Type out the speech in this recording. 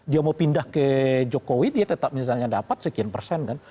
dia mau pindah ke jokowi dia tetap misalnya dapat sekian persen kan